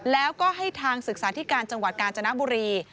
แล้วก็ให้ทางศึกษาธิการจังหวัดกาญจนบุรี